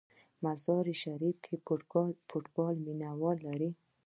مزار شریف کې فوټبال مینه وال لري.